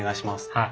はい。